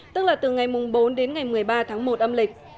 tức là từ ngày bốn đến ngày một mươi ba tháng một âm lịch